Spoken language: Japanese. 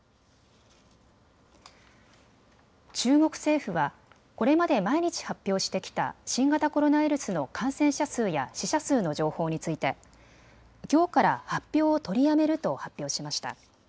中国政府はこれまで毎日発表してきた新型コロナウイルスの感染者数や死者数の情報についてきょうから発表を取りやめると発表しました。